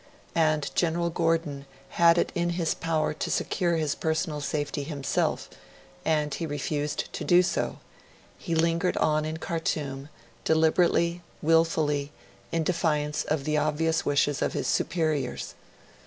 And General Gordon had it in his power to secure his personal safety himself; and he refused to do so; he lingered on in Khartoum, deliberately, wilfully, in defiance of the obvious wishes of his superiors.